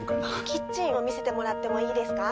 キッチンを見せてもらってもいいですか？